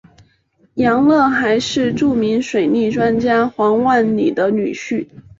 杨乐还是著名水利专家黄万里的女婿。